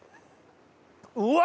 うわ！